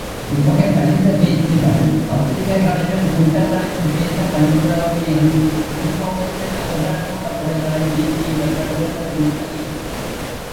இவ்வகைப் பரிந்த பேச்சுகள் பத்திரிகைகளிலும் கூட்டங்களிலும் பேசக் கண்டுள்ளோமன்றி அனுபவத்தில் அவர்களுக்குள்ள குறைகளை நீக்கியவர்கள் ஒருவருமில்லை.